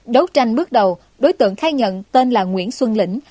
đấu tranh bước đầu đối tượng khai nhận tên là nguyễn xuân lĩnh